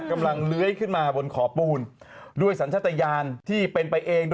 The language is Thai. เลื้อยขึ้นมาบนขอปูนด้วยสัญชาติยานที่เป็นไปเอง